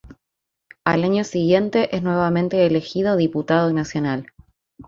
Al año siguiente es nuevamente elegido Diputado Nacional.